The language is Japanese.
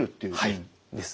はいですね。